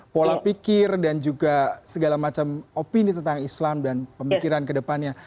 pola pikir dan juga segala macam opini tentang islam dan pemikiran kedepannya